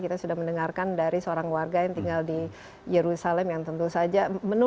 kita sudah mendengarkan dari seorang warga yang tinggal di yerusalem yang tentu saja